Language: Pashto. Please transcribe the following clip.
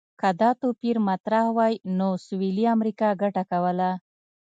که دا توپیر مطرح وای، نو سویلي امریکا ګټه کوله.